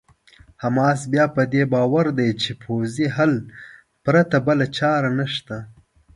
حماس بیا په دې باور دی چې پوځي حل پرته بله چاره نشته.